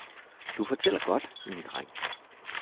Du fortæller godt, min dreng!